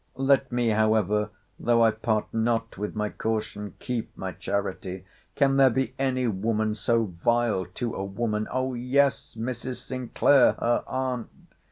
—Let me, however, though I part not with my caution, keep my charity!—Can there be any woman so vile to a woman?—O yes!—Mrs. Sinclair: her aunt.